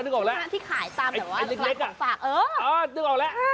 งานที่ไขตามแต่ว่าระหรันของฝาก